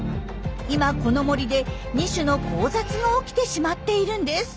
今この森で２種の交雑が起きてしまっているんです。